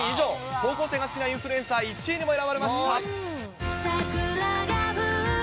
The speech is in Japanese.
高校生が好きなインフルエンサー１位にも選ばれました。